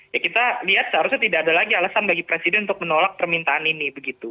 ya kita lihat seharusnya tidak ada lagi alasan bagi presiden untuk menolak permintaan ini begitu